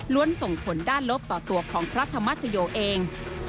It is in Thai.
ส่งผลด้านลบต่อตัวของพระธรรมชโยเอง